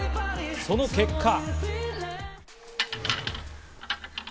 その結果。